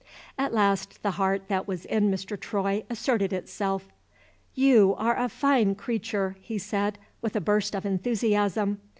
At last the heart that was in Mr. Troy asserted itself. "You are a fine creature!" he said, with a burst of enthusiasm.